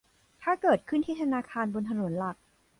ถ้าเกิดขึ้นที่ธนาคารบนถนนหลัก